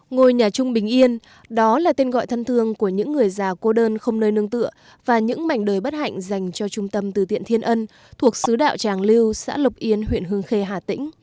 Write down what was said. ngôi nhà chung bình yên đó là tên gọi thân thương của những người già cô đơn không nơi nương tựa và những mảnh đời bất hạnh dành cho trung tâm từ thiện thiên ân thuộc xứ đạo tràng lưu xã lộc yên huyện hương khê hà tĩnh